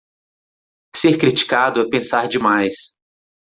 Ser criticado é pensar demais